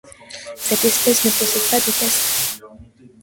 Cette espèce ne possède pas de castes.